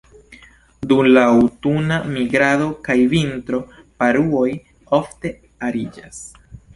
Dum la aŭtuna migrado kaj vintro, paruoj ofte ariĝas.